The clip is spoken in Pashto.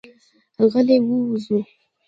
غلي وځو.